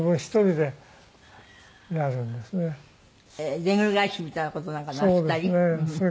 でんぐり返しみたいな事なんかなすったり？